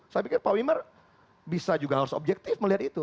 saya pikir pak wimar bisa juga harus objektif melihat itu